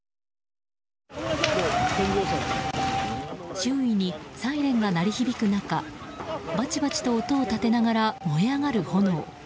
周囲にサイレンが鳴り響く中バチバチと音を立てながら燃え上がる炎。